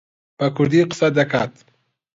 بە کوردی قسە دەکات.